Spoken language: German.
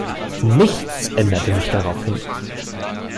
Nichts änderte sich daraufhin.